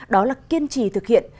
đó là kiên trì thực hiện